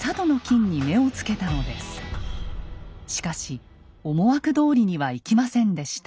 しかし思惑どおりにはいきませんでした。